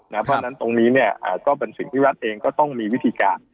เพราะฉะนั้นตรงนี้ก็เป็นสิ่งที่รัฐเองก็ต้องมีวิธีการ